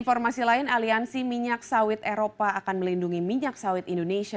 informasi lain aliansi minyak sawit eropa akan melindungi minyak sawit indonesia